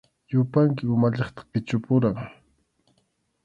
Yupanki umalliqta qichupurqan.